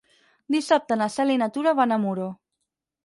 Dissabte na Cel i na Tura van a Muro.